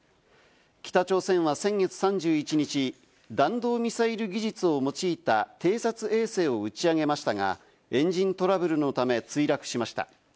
北朝鮮は先月３１日、弾道ミサイル技術を用いた偵察衛星を打ち上げましたが、エンジントラブルのため墜落しました。